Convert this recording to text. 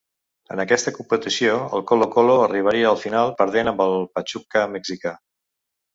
En aquesta competició, el Colo-Colo arribaria a la final, perdent amb el Pachuca mexicà.